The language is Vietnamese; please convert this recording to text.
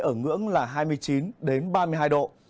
ở ngưỡng là hai mươi chín ba mươi hai độ